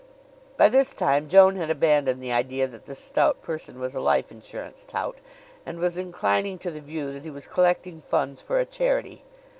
By this time Joan had abandoned the idea that this stout person was a life insurance tout, and was inclining to the view that he was collecting funds for a charity.